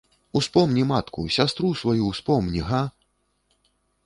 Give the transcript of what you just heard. Успомні матку, сястру сваю ўспомні, га!